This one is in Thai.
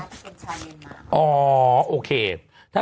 ไปสี่ลาทนี่กินชาวเมียนมาร์